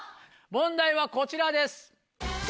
問題はこちらです。